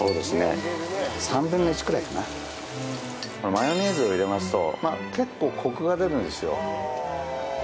マヨネーズを入れますと結構コクが出るんですよ。